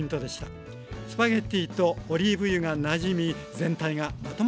スパゲッティとオリーブ油がなじみ全体がまとまりやすくなります。